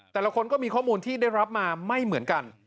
แต่ละคนก็มีข้อมูลที่ได้รับมาไม่เหมือนกัน